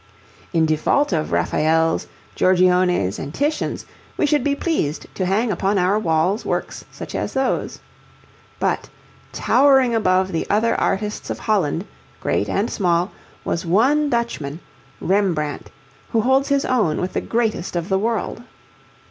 In default of Raphaels, Giorgiones, and Titians, we should be pleased to hang upon our walls works such as those. But towering above the other artists of Holland, great and small, was one Dutchman, Rembrandt, who holds his own with the greatest of the world.